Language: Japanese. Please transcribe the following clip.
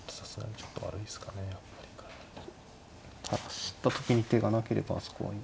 走った時に手がなければあそこはいい。